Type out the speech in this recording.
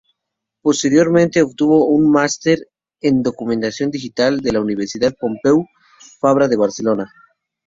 Posteriormente obtuvo un "Master en Documentación Digital" de la Universidad Pompeu Fabra de Barcelona.